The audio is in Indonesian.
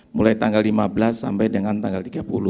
mulai tanggal lima belas sampai dengan tanggal tiga puluh